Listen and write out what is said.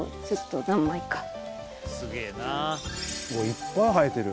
いっぱい生えてる。